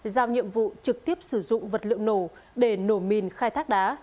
giao nhiệm vụ trực tiếp sử dụng vật liệu nổ để nổ mìn khai thác đá